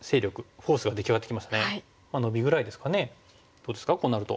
どうですかこうなると。